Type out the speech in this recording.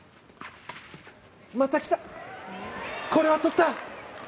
また来たこれはとった！